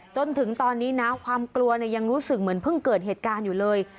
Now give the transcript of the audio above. จนถึงตอนนี้นะความกลัวเนี่ยยังรู้สึกเหมือนเพิ่งเกิดเหตุการณ์อยู่เลย